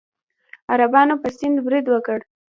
عربانو په سند برید وکړ.